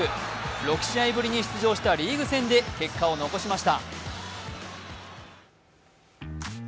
６試合ぶりに出場したリーグ戦で、結果を残しました。